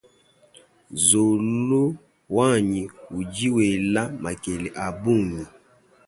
Nzolo wanyi udi wela makele abunyi.